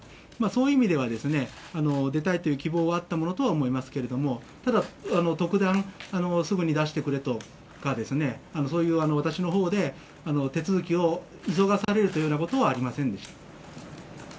そういう意味では、出たいという希望はあったものとは思いますけれども、ただ、特段、すぐに出してくれとかですね、そういう、私のほうで手続きを急がされるというようなことはありませんでした。